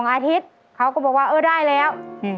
อาทิตย์เขาก็บอกว่าเออได้แล้ว